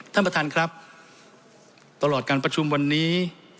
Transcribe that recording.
ท่านประธานครับตลอดการประชุมวันนี้